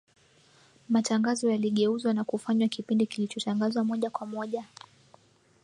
matangazo yaligeuzwa na kufanywa kipindi kilichotangazwa moja kwa moja